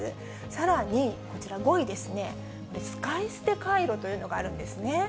さらに、こちら５位ですね、使い捨てかいろというのがあるんですね。